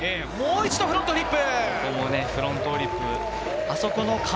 もう一度フロントフリップ。